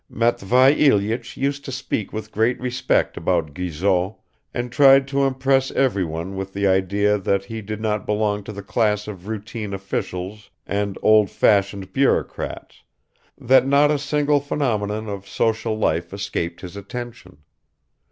Matvei Ilyich used to speak with great respect about Guizot, and tried to impress everyone with the idea that he did not belong to the class of routine officials and old fashioned bureaucrats, that not a single phenomenon of social life escaped his attention